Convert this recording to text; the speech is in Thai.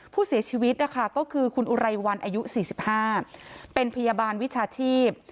ผู้เสียชีวิตนะคะก็คือคุณอุไรวันอายุ๔๕เป็นพยาบาลวิชาชีพ